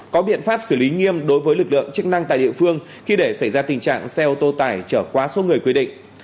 có biện pháp xử lý nghiêm đối với lực lượng chức năng tại địa phương khi để xảy ra tình trạng xe ô tô tải trở quá số người quy định